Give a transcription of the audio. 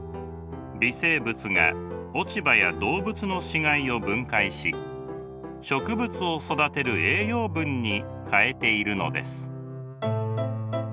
微生物が落葉や動物の死骸を分解し植物を育てる栄養分に変えているのです。